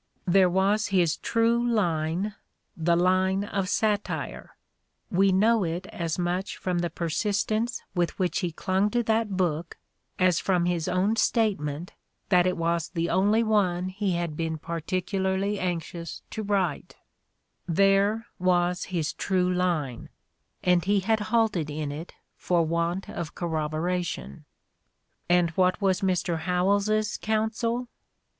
There was his true line, the line of satire — we know it as much from the persistence with which he clung to that book as from his own statement that it was the only one he had been particularly anxious to write; there was his true line, and he had halted in it for want of corrobora tion. And what was Mr. Howells's counsel?